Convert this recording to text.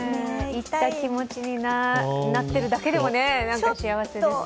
行った気持ちになってるだけでも幸せです。